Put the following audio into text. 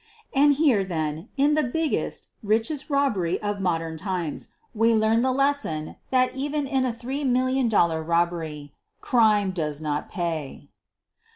And here, then, in the biggest, richest robbery of modern times, we learn the lesson that even in a $3,000,000 robbery CRIME DOES NOT PAY!